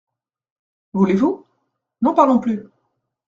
Voulez-vous ?… n’en parlons plus !